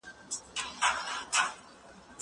زه پوښتنه کړې ده!